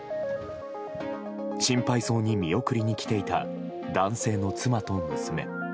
心配そうに見送りに来ていた男性の妻と娘。